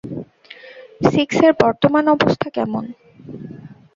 সিক্সের বর্তমান অবস্থা কেমন?